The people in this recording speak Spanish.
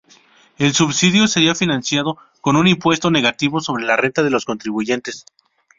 El subsidio sería financiado con un impuesto negativo sobre la renta de los contribuyentes.